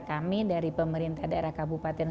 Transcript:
kami dari pemerintah daerah kabupaten